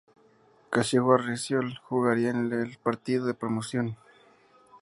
Kashiwa Reysol jugaría el partido de promoción.